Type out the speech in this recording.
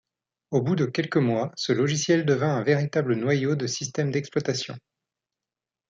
Au bout de quelques mois, ce logiciel devint un véritable noyau de système d'exploitation.